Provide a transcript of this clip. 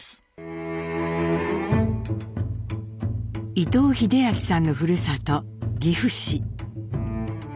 伊藤英明さんのふるさと岐阜市。